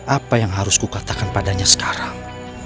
apa yang harus kukatakan padanya sekarang